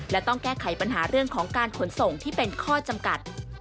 และต้องแก้ไขปัญหาเรื่องของการขนส่งที่เป็นข้อจำกัด